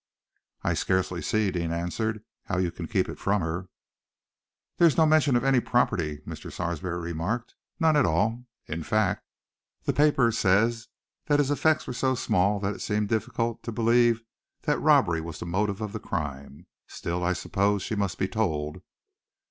"I scarcely see," Deane answered, "how you can keep it from her." "There is no mention of any property," Mr. Sarsby remarked, "none at all. In fact, the papers say that his effects were so small that it seemed difficult to believe that robbery was the motive of the crime. Still, I suppose she must be told."